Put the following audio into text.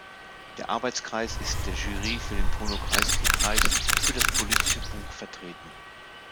Der Arbeitskreis ist in der Jury für den Bruno-Kreisky-Preis für das politische Buch vertreten.